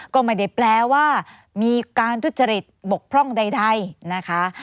ก็ไม่ได้แปลว่ามีการทุจริตบกพร่องใดนะคะ